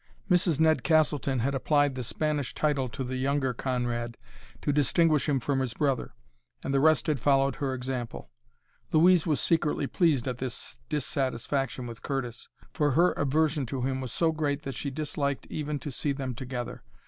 Mrs. Ned Castleton had applied the Spanish title to the younger Conrad to distinguish him from his brother, and the rest had followed her example. Louise was secretly pleased at this dissatisfaction with Curtis, for her aversion to him was so great that she disliked even to see them together.